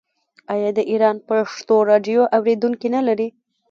آیا د ایران پښتو راډیو اوریدونکي نلري؟